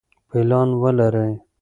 پلان ولرئ.